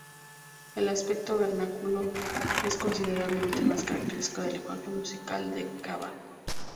El aspecto vernáculo es indudablemente el más característico del lenguaje musical de Caba.